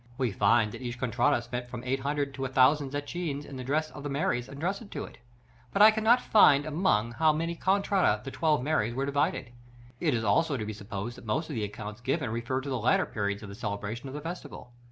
We find that each contrada spent from 800 to 1000 zecchins in the dress of the "Maries" entrusted to it; but I cannot find among how many contrade the twelve Maries were divided; it is also to be supposed that most of the accounts given refer to the later periods of the celebration of the festival.